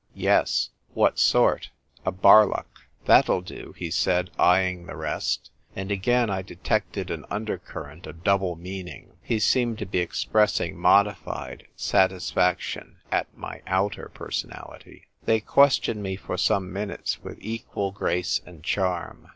"Yes." "What sort?" " A Barlock." "That'll do," he said, eyeing the rest. And again I detected an undercurrent of double meaning. He seemed to be expressing modi fied satisfaction at my outer personality. THE STRUGGLE FOR LIFE. 2$ They questioned me for some minutes with equal grace and charm.